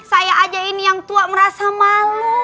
saya aja ini yang tua merasa malu